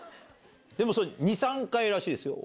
でも２３回らしいですよ